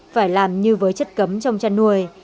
phải làm như với chất cấm trong chăn nuôi